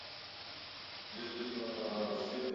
sifa nyingine ni kwamba wananchi wanatarajia kwamba